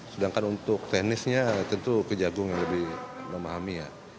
sedangkan untuk teknisnya tentu kejagung yang lebih memahami ya